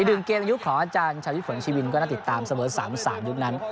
หนึ่งเกมยุคของอาจารย์ชาวิทย์ผลชีวินก็น่าติดตามเสมอ๓๓ยุคนั้น